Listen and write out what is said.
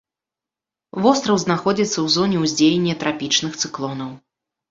Востраў знаходзіцца ў зоне ўздзеяння трапічных цыклонаў.